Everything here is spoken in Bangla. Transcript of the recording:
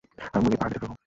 আমি মুরগির পাখা কেটে ফেলব।